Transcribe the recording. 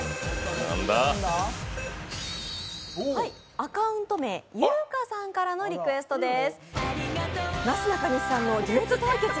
アカウント名、ゆーかさんからのリクエストです。